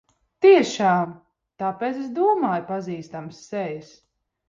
Tiešām! Tāpēc es domāju pazīstamas sejas.